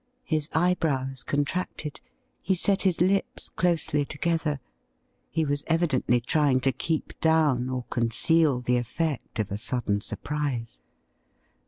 His eyebrows contracted. He set his lips closely together. He was evidently trying to keep down or conceal the effect of a sudden surprise.